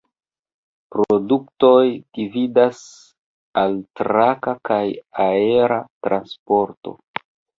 Produktoj dividas al traka kaj aera transporto.